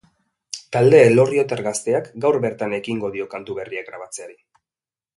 Talde elorriotar gazteak gaur bertan ekingo dio kantu berriak grabatzeari.